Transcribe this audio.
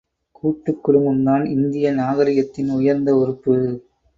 கூட்டுக் குடும்பம்தான் இந்திய நாகரீகத்தின் உயர்ந்த உறுப்பு.